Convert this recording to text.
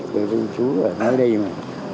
bởi vì chú ở nơi đây mà